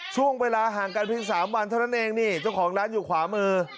ช่วงเวลาห่างกันเพียง๓วันเท่านั้นเองนี่เจ้าของร้านอยู่ขวามือ